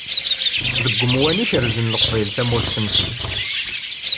Deg umwan i kerzen Leqbayel tamurt-nsen.